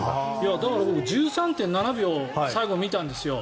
だから僕１３．７秒最後、見たんですよ。